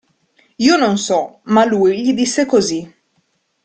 Io non so, ma lui gli disse così.